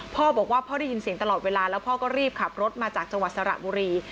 พ่อบอกว่าพ่อได้ยินเสียงตลอดเวลาแล้วพ่อก็รีบขับรถมาจากจังหวัดสระบุรี